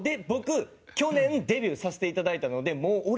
僕去年デビューさせていただいたのでもう。